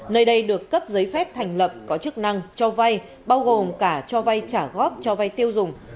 nơi đây được cấp giấy phép thành lập có chức năng cho vay bao gồm cả cho vay trả góp cho vay tiêu dùng